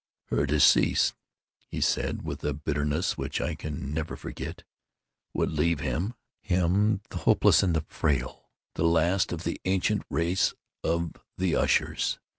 "Her decease," he said, with a bitterness which I can never forget, "would leave him (him the hopeless and the frail) the last of the ancient race of the Ushers."